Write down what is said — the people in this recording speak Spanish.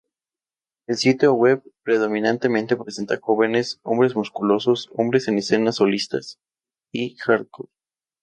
El sitio web predominantemente presenta jóvenes, hombres musculosos, hombres en escenas solistas y hardcore.